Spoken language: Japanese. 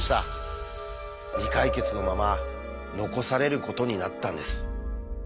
未解決のまま残されることになったんです。